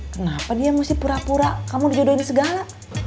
kenapa dia mesti pura pura kamu dijodohin segala